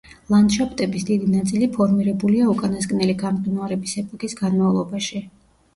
ლანდშაფტების დიდი ნაწილი ფორმირებულია უკანასკნელი გამყინვარების ეპოქის განმავლობაში.